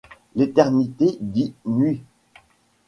L’éternité dit: Nuit!